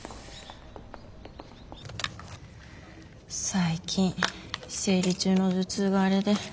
最近生理中の頭痛があれで。